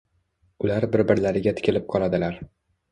Ular bir-birlariga tikilib qoladilar.